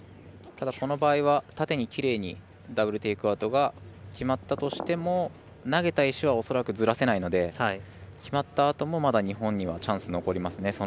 ただ、この場合は縦にきれいにダブル・テイクアウトが決まったとしても投げた石は恐らくずらせないので決まったあともまだ日本にはチャンス残りますね。